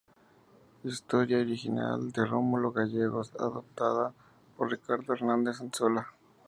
Historia original de Rómulo Gallegos, adaptada por Ricardo Hernández Anzola.